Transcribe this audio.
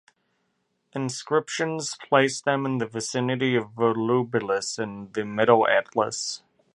Inscriptions place them in the vicinity of Volubilis in the Middle Atlas.